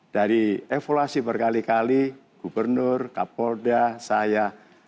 dari evaluasi berkali kali gubernur kapolda saya